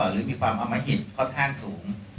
หรือมีความอมหิตค่อนข้างสูง